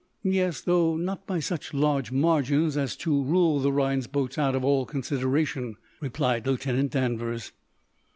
"Yes; though not by such large margins as to rule the Rhinds boats out of all consideration," replied Lieutenant Danvers.